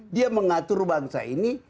dia mengatur bangsa ini